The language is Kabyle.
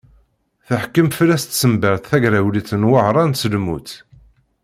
Teḥkem fell-as tsenbert tagrawliwt n Wehṛan s lmut.